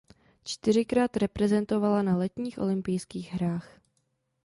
Čtyřikrát reprezentovala na letních olympijských hrách.